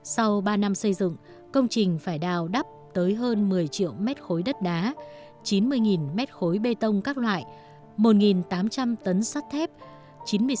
sau ba năm xây dựng công trình phải đào đắp tới hơn một mươi triệu mét khối đất đá chín mươi mét khối bê tông các loại một tám trăm linh tấn sắt thép chín mươi sáu mét khối đá lát